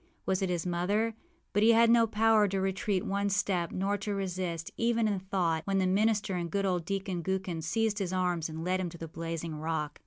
Was it his mother? But he had no power to retreat one step, nor to resist, even in thought, when the minister and good old Deacon Gookin seized his arms and led him to the blazing rock.